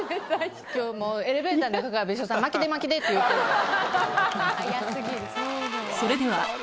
今日もエレベーターの中から別所さん「巻きで巻きで」って言うてるから。